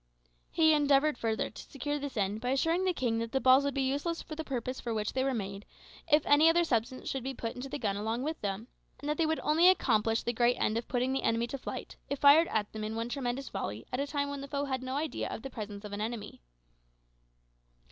He endeavoured further to secure this end by assuring the king that the balls would be useless for the purpose for which they were made if any other substance should be put into the gun along with them, and that they would only accomplish the great end of putting the enemy to flight if fired at them in one tremendous volley at a time when the foe had no idea of the presence of an enemy.